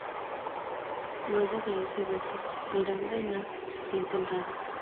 Luego de ese beso, Miranda y Nat se sienten raros.